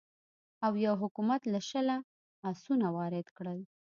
اویو حکومت له شله اسونه وارد کړل.